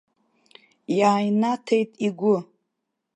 Иааинаҭеит игәы.